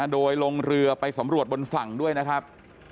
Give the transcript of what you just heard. โดยลงเรือไปสำรวจบนฝั่งด้วยนะครับ